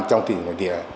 trong thị trường nội địa